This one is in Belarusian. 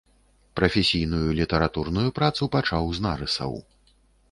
Прафесійную літаратурную працу пачаў з нарысаў.